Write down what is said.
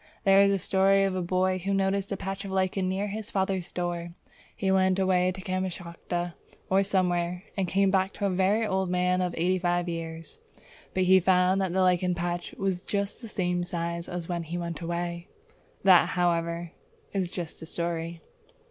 There is a story of a boy who noticed a patch of lichen near his father's door. He went away to Kamschatka or somewhere and came back a very old man of eighty five years; but he found that the lichen patch was just the same size as when he went away. That, however, is just a story!